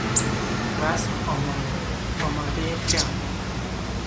رزم آماد، آمادهی جنگ